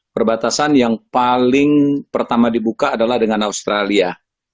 perbatasan yang paling pertama dibuka adalah dengan australia